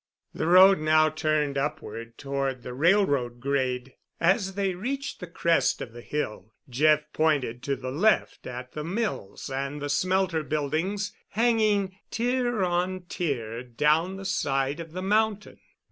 The road now turned upward toward the railroad grade. As they reached the crest of the hill Jeff pointed to the left at the mills and the smelter buildings hanging tier on tier down the side of the mountain.